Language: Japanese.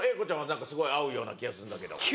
何かすごい合うような気がするんだけど。